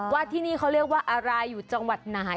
ที่นี่เขาเรียกว่าอะไรอยู่จังหวัดไหน